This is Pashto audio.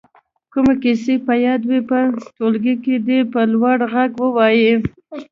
کومې کیسې په یاد وي په ټولګي کې دې په لوړ غږ ووايي.